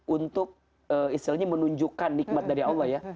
untuk istilahnya menunjukkan nikmat dari allah ya